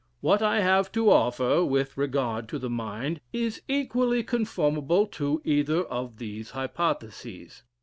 What I have to offer, with regard to the Mind, is equally conformable to either of these hypothesis.